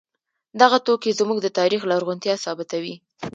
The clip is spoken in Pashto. دغه توکي زموږ د تاریخ لرغونتیا ثابتوي.